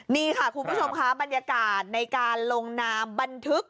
นี่ค่ะคุณผู้ชมค่ะบรรยากาศในการลงนามบันทึก